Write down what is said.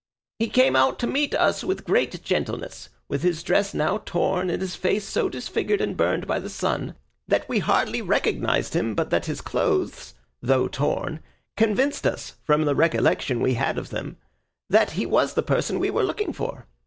He came out to meet us with great gentleness, with his dress now torn and his face so disfigured and burned by the sun, that we hardly recognised him but that his clothes, though torn, convinced us, from the recollection we had of them, that he was the person we were looking for.